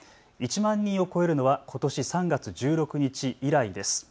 １万人を超えるのはことし３月１６日以来です。